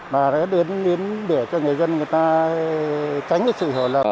chúng ta đã đến để cho người dân người ta tránh được sự hồi lầm